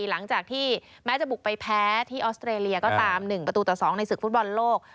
หลังจากที่แม้จะบุกไปแพ้ที่ออสเตรเลียก็ตาม๑ประตูต่อ๒ในศึกฟุตบอลโลก